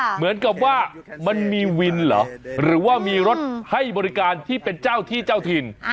เหมือนกับว่ามันมีวินเหรอหรือว่ามีรถให้บริการที่เป็นเจ้าที่เจ้าถิ่น